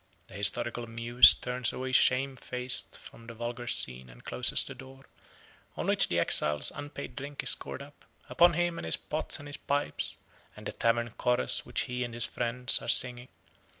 The Historical Muse turns away shamefaced from the vulgar scene, and closes the door on which the exile's unpaid drink is scored up upon him and his pots and his pipes, and the tavern chorus which he and his friends are singing.